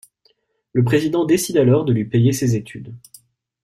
Le président décide alors de lui payer ses études.